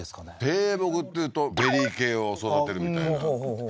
低木っていうとベリー系を育てるみたいなほうほうほう